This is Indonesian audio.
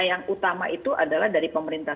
yang utama itu adalah dari pemerintah